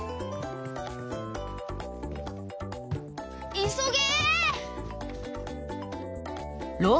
いそげ！